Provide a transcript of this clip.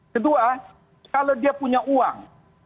kedua kalau dia punya uang